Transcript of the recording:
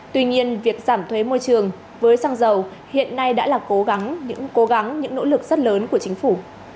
tuy nhiên việc giảm thuế môi trường với xăng dầu hiện nay đã là cố gắng những cố gắng những nỗ lực rất lớn của chính phủ